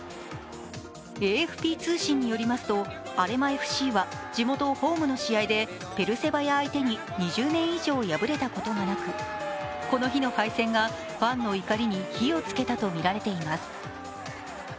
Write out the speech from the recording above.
ＡＦＰ通信によりますと、アレマＦＣは地元ホームの試合でペルセバヤ相手に２０年以上敗れたことがなくこの日の敗戦がファンの怒りに火を付けたとみられています。